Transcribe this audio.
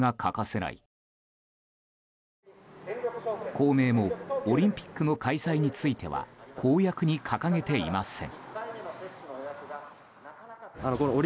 公明もオリンピックの開催については公約に掲げていません。